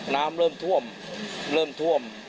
น้ำเริ่มท่วม